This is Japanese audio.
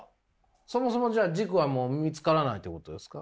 そもそもじゃあ軸はもう見つからないっていうことですか？